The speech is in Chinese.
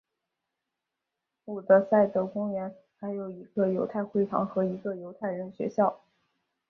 伍德塞德公园还有一个犹太会堂和一个犹太人学校。